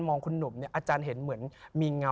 มันเกิดจากอะไรรู้ไหม